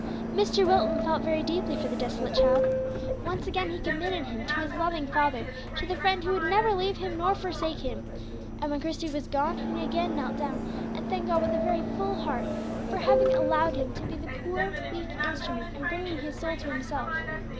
Mr. Wilton felt very deeply for the desolate child. Once again he committed him to his loving Father, to the Friend who would never leave him nor forsake him. And when Christie was gone he again knelt down, and thanked God with a very full heart for having allowed him to be the poor weak instrument in bringing this soul to Himself.